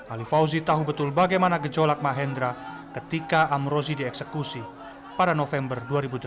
ali fauzi tahu betul bagaimana gejolak mahendra ketika amrozi dieksekusi pada november dua ribu delapan belas